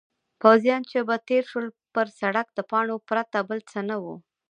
پوځیان چې به تېر شول پر سړک د پاڼو پرته بل څه نه وو.